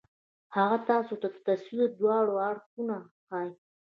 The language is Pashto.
هغه تاسو ته د تصوير دواړه اړخونه ښائي